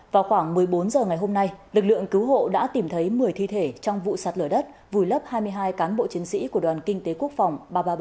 vào khoảng một mươi bốn h ngày hôm nay lực lượng cứu hộ đã tìm thấy một mươi thi thể trong vụ sạt lở đất vùi lấp hai mươi hai cán bộ chiến sĩ của đoàn kinh tế quốc phòng ba trăm ba mươi bảy